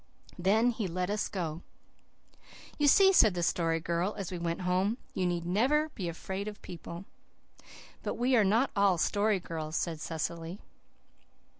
Then he let us go. "You see," said the Story Girl as we went home, "you need never be afraid of people." "But we are not all Story Girls," said Cecily.